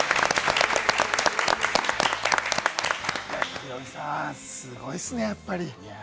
ヒロミさん、すごいっすね、やっぱり。